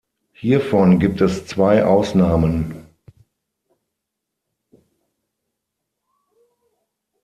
Hiervon gibt es zwei Ausnahmen.